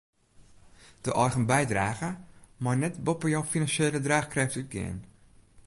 De eigen bydrage mei net boppe jo finansjele draachkrêft útgean.